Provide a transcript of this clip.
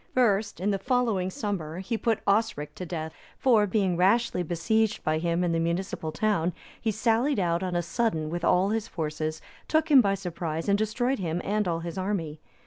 First, in the following summer, he put Osric to death; for, being rashly besieged by him in the municipal town,(286) he sallied out on a sudden with all his forces, took him by surprise, and destroyed him and all his army.